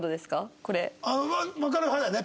わかる派だよね？